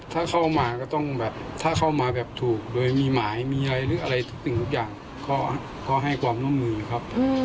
ถ้าเข้ามาก็ต้องแบบถ้าเข้ามาแบบถูกโดยมีหมายมีอะไรหรืออะไรทุกสิ่งทุกอย่างก็ให้ความร่วมมือครับ